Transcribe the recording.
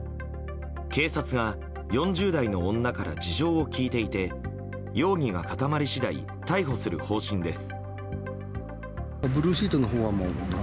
警察が４０代の女から事情を聴いていて容疑が固まり次第逮捕する方針です。